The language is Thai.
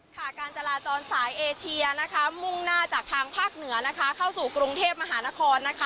การจราจรสายเอเชียมุ่งหน้าจากทางภาคเหนือเข้าสู่กรุงเทพฯมหานคร